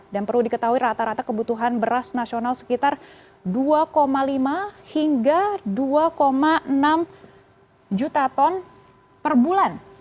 perlu diketahui rata rata kebutuhan beras nasional sekitar dua lima hingga dua enam juta ton per bulan